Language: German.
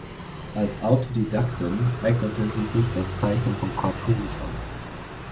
Als Autodidaktin eignete sie sich das Zeichnen von Cartoons an.